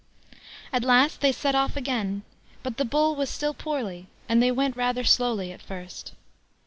At last they set off again, but the Bull was still poorly, and they went rather slowly at first.